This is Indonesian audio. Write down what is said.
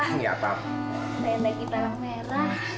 bagi palang merah